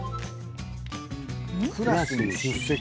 クラスに出席。